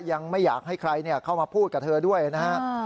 ยังไม่อยากให้ใครเข้ามาพูดกับเธอด้วยนะฮะ